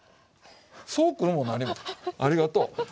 そうくるもなにもありがとう。